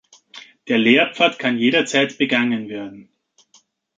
Der Lehrpfad kann jederzeit begangen werden.